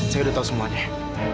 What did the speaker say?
saya udah tahu semuanya